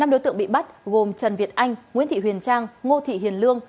năm đối tượng bị bắt gồm trần việt anh nguyễn thị huyền trang ngô thị hiền lương